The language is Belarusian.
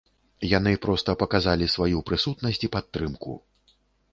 Яны проста паказалі сваю прысутнасць і падтрымку.